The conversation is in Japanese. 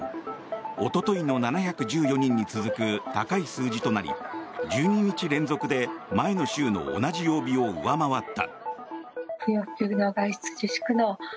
おとといの７１４人に続く高い数字となり１２日連続で前の週の同じ曜日を上回った。